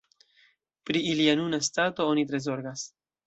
Pri ilia nuna stato oni tre zorgas.